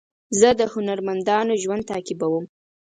زه د هنرمندانو ژوند تعقیبوم.